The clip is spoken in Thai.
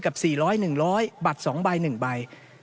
กับ๔๐๐๑๐๐บัตรสองใบหนึ่งใบ